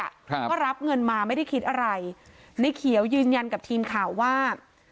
ครับก็รับเงินมาไม่ได้คิดอะไรในเขียวยืนยันกับทีมข่าวว่า